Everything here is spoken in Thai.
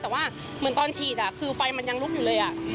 แต่ว่าเหมือนตอนฉีดคือไฟมันยังลุกอยู่เลย